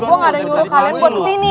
gua gak ada yang juru kalian buat kesini